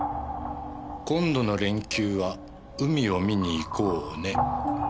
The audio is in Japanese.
今度の連休は海を見に行こうね。